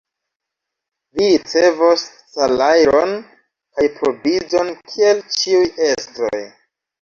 Vi ricevos salajron kaj provizon, kiel ĉiuj estroj!